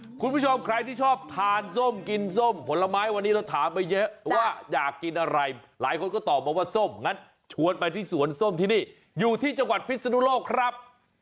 คุณผู้ชมใครที่ชอบทานส้มกินส้มผลไม้วันนี้เราถามไปเยอะว่าอยากกินอะไรหลายคนก็ตอบมาว่าส้มงั้นชวนไปที่สวนส้มที่นี่อยู่ที่จังหวัดพิศนุโลกครับ